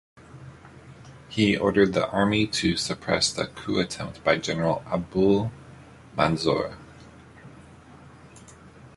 He ordered the army to suppress the coup attempt by General Abul Manzoor.